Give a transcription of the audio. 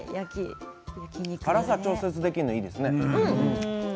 辛さが調節できるのでいいですね。